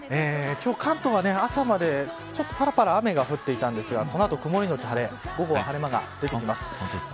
今日、関東は朝までちょっと、ぱらぱら雨降っていましたがこの後、曇りのち晴れ午後は晴れ間が出ると思います。